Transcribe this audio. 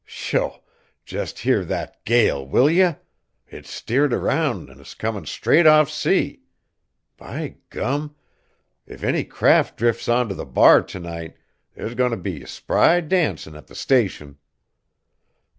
Sho! just hear that gale, will ye! It's steered round an' is comin' straight off sea. By gum! If any craft drifts on t' the bar t' night there's goin' t' be spry dancin' at the Station."